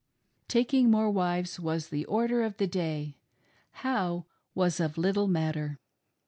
Taking more wives was the order of the day — how, was of little matter.